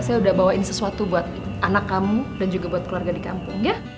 saya udah bawain sesuatu buat anak kamu dan juga buat keluarga di kampung ya